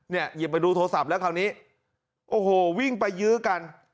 หยิบไปดูโทรศัพท์แล้วคราวนี้โอ้โหวิ่งไปยื้อกัน